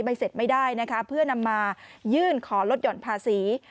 เสร็จไม่ได้นะคะเพื่อนำมายื่นขอลดหย่อนภาษี